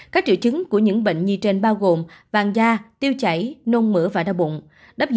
các triệu chứng của những bệnh nhi trên bao gồm vàng da tiêu chảy nôn mửa và đau bụng